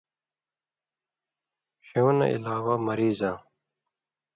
ݜېوں نہ علاوہ مریضاں